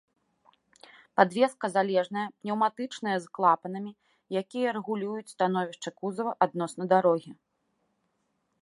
Падвеска залежная, пнеўматычная з клапанамі, якія рэгулююць становішча кузава адносна дарогі.